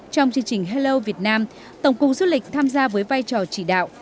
trong chương trình hello việt nam tổng cụng du lịch tham gia với vai trò chỉ đạo